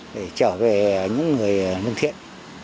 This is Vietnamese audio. để trở về những người nâng thiện